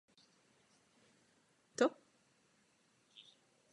Muzeum však nabídku kvůli vysoké ceně odmítlo.